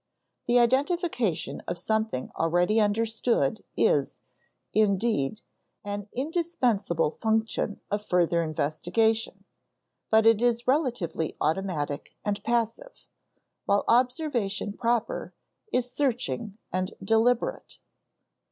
The identification of something already understood is, indeed, an indispensable function of further investigation (ante, p. 119); but it is relatively automatic and passive, while observation proper is searching and deliberate.